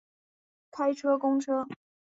开车公车